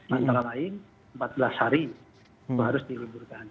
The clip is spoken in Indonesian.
antara lain empat belas hari harus diliburkan